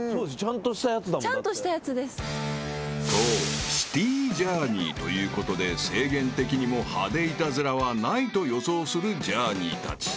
［とシティジャーニーということで制限的にも派手イタズラはないと予想するジャーニーたち］